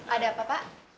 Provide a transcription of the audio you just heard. ada apa pak